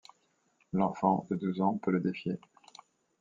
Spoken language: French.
L'enfant, de douze ans, peut le défier.